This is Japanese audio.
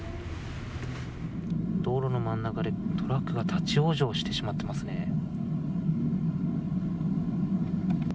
道路の真ん中で、トラックが立往生してしまってますね。